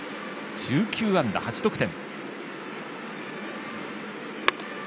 １９安打、８得点。